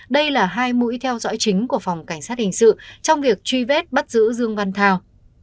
đây là hai mũi theo dõi chính của phòng cảnh sát hình sự trong việc truy vết bắt giữ dương văn thao